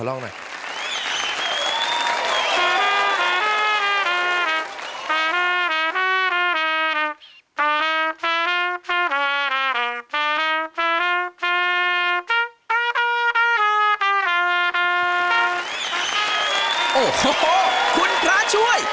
โอ้โหคุณพระช่วย